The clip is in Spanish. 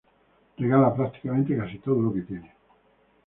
Regala prácticamente casi todo lo que tiene.